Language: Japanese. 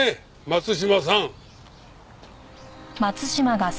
松島さん！